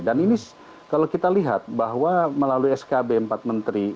dan ini kalau kita lihat bahwa melalui skb empat menteri